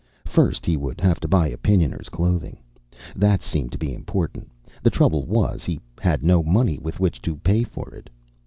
First, he would have to buy Opinioners' clothing. That seemed to be important. The trouble was, he had no money with which to pay for it.